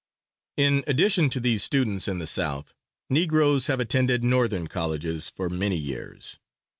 In addition to these students in the South, Negroes have attended Northern colleges for many years.